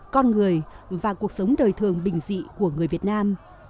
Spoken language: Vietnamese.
con người và cuộc sống đời thường bình dị của người việt nam